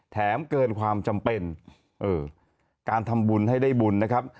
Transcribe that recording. แถมเกินความจำเป็นเออการทำบุญให้ได้บุญนะครับ